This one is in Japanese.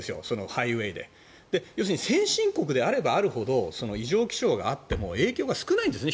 ハイウェーで先進国であればあっても異常気象があっても影響が少ないんですね